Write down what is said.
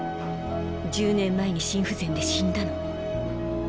１０年前に心不全で死んだの。